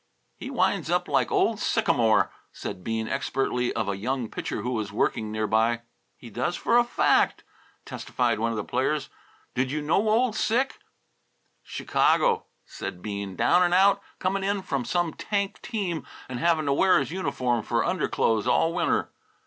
"He winds up like old Sycamore," said Bean expertly of a young pitcher who was working nearby. "He does for a fact," testified one of the players. "Did you know old Syc?" "Chicago," said Bean. "Down and out; coming in from some tank team and having to wear his uniform for underclothes all winter."